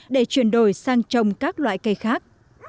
để chuyển đổi sang trồng các loại cây khác